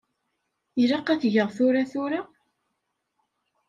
Ilaq ad t-geɣ tura tura?